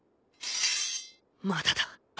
まだだ。